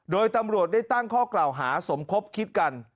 โดยตำรวจได้ตั้งข้อกล่าวหาสมคบคิดกัน